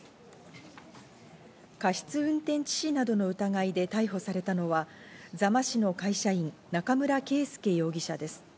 過失運転致死などの疑いで逮捕されたのは座間市の会社員、中村圭佑容疑者です。